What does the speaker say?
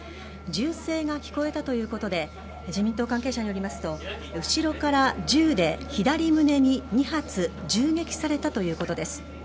銃声が聞こえたということで自民党関係者によりますと後ろから銃で左胸に２発銃撃されたということです。